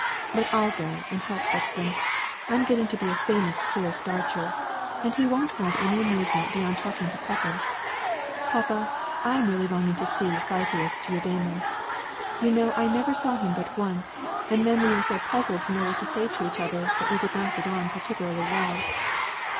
But I'll go and help Dixon. I'm getting to be a famous clear starcher. And he won't want any amusement beyond talking to Papa. Papa, I am really longing to see the Pythias to your Damon. You know I never saw him but once, and then we were so puzzled to know what to say to each other that we did not get on particularly well."